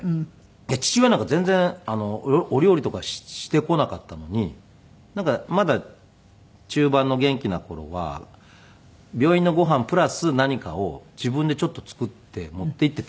父親なんか全然お料理とかしてこなかったのにまだ中盤の元気な頃は病院のご飯プラス何かを自分でちょっと作って持って行ってたんですね。